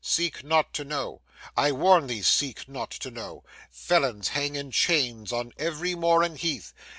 Seek not to know. I warn thee, seek not to know. Felons hang in chains on every moor and heath.